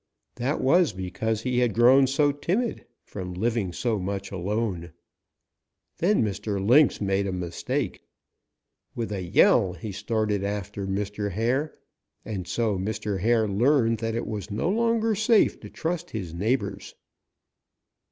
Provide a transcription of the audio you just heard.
That was because he had grown so timid from living so much alone. Then Mr. Lynx made a mistake. With a yell he started after Mr. Hare, and so Mr. Hare learned that it was no longer safe to trust his neighbors.